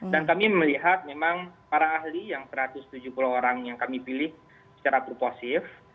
dan kami melihat memang para ahli yang satu ratus tujuh puluh orang yang kami pilih secara proposif